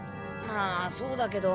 はあそうだけど。